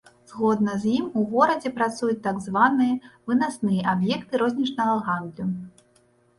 Згодна з ім, у горадзе працуюць так званыя вынасныя аб'екты рознічнага гандлю.